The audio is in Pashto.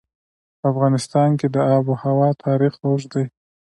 په افغانستان کې د آب وهوا تاریخ اوږد دی.